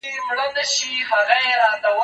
زه به د کتابتون پاکوالی کړی وي!؟